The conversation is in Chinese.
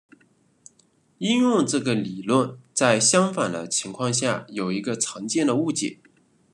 应用这个理论在相反的情况下有一个常见的误解。